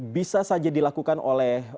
bisa saja dilakukan oleh